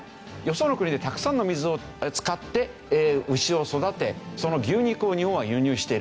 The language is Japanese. よその国でたくさんの水を使って牛を育てその牛肉を日本は輸入している。